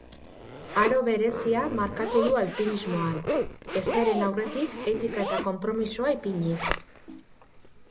Aro berezia markatu du alpinismoan, ezeren aurretik etika eta konpromisoa ipiniz.